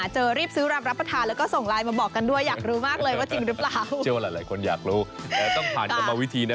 เชื่อว่าหลายคนอยากรู้แต่ต้องผ่านกันมาวิธีนะ